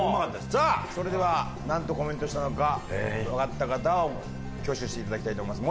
さあそれではなんとコメントしたのかわかった方は挙手して頂きたいと思います。